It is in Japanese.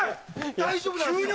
大丈夫なんですよ。